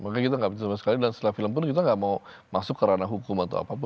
maka kita gak bisa sama sekali dan setelah film pun kita gak mau masuk kerana hukum atau apapun